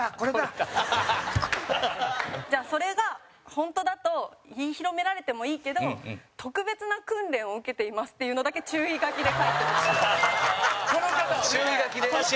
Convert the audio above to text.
じゃあ、それが本当だと言い広められてもいいけど特別な訓練を受けていますっていうのだけ注意書きで書いてほしい。